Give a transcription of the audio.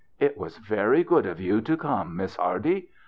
" It was very good of you to come. Miss Hardy."